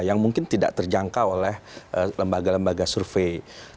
yang mungkin tidak terjangkau oleh lembaga lembaga survei